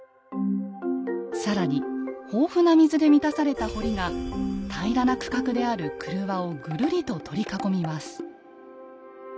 更に豊富な水で満たされた堀が平らな区画である曲輪をぐるりと取り囲みます。